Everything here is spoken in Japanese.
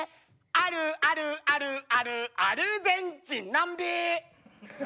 「あるあるあるあるアルゼンチン南米！」